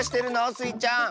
スイちゃん。